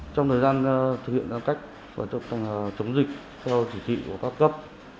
trong thời gian thực hiện các cách chống dịch theo chỉ thị của các cấp